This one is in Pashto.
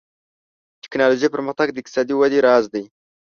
ټکنالوژي پرمختګ د اقتصادي ودې راز دی.